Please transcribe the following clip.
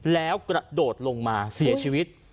แล้วกระโดดลงมาเสียชีวิต